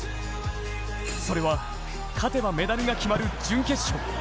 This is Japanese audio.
それは、勝てばメダルが決まる準決勝。